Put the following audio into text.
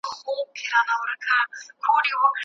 رسول الله له چا سره د نکاح کولو امر کړی دی؟